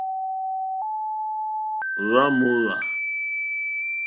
Hwá mòhwá.